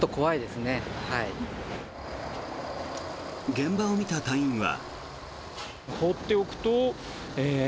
現場を見た隊員は。